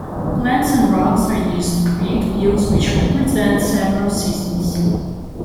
Plants and rocks are used to create views which represent several seasons.